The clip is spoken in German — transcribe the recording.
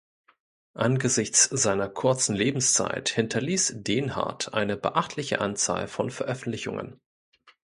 Angesichts seiner kurzen Lebenszeit hinterließ Dähnhardt eine beachtliche Anzahl von Veröffentlichungen.